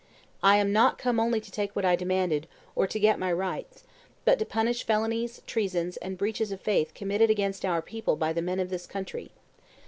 I am not come only to take what I demanded, or to get my rights, but to punish felonies, treasons, and breaches of faith committed against our people by the men of this country.